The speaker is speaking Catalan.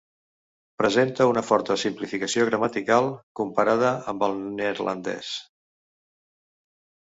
Presenta una forta simplificació gramatical comparada amb el neerlandès.